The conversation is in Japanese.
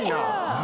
何？